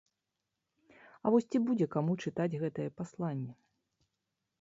А вось ці будзе каму чытаць гэтае пасланне?